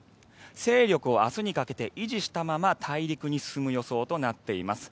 勢力を明日にかけて維持したまま大陸に進む予想となっています。